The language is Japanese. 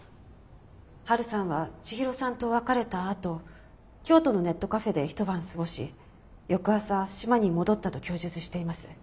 波琉さんは千尋さんと別れたあと京都のネットカフェでひと晩過ごし翌朝島に戻ったと供述しています。